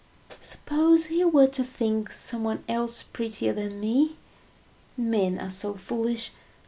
"Suppose he were to think someone else prettier than me? Men are so foolish!